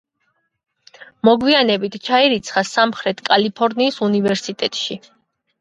მოგვიანებით ჩაირიცხა სამხრეთ კალიფორნიის უნივერსიტეტში.